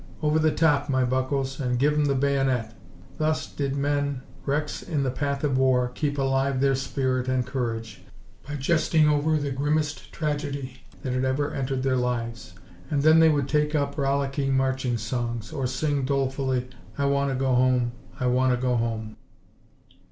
"Over the top, my buckoes, and give 'em the bayonet." Thus did men, wrecks in the path of war, keep alive their spirit and courage by jesting over the grimest tragedy that had ever entered their lives. And then they would take up rollicking marching songs, or sing dolefully, "I wanta go home, I wanta go home."